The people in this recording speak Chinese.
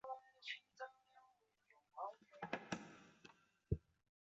五路军队的最终目标皆为南越国的都城番禺。